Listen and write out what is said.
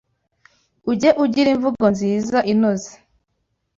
ujye ugira imvugo nziza inoze,